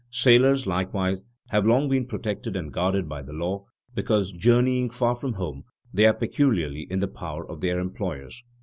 Sailors, likewise, have long been protected and guarded by the law, because, journeying far from home, they are peculiarly in the power of their employers.